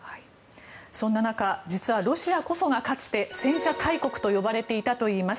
そんな中、実はロシアこそがかつて戦車大国と呼ばれていたといいます。